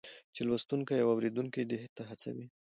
چې لوستونکی او اورېدونکی دې ته هڅوي